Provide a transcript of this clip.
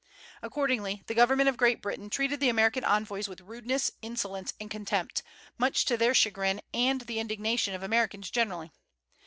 Accordingly, the government of Great Britain treated the American envoys with rudeness, insolence, and contempt, much to their chagrin and the indignation of Americans generally.